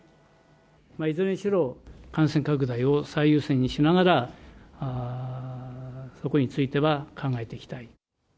いずれにしろ、感染拡大を最優先にしながら、そこについては考えていきたい。